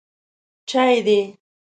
_چای دی؟